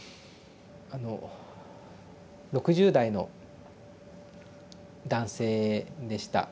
あの６０代の男性でした。